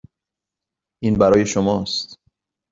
این برای شماست.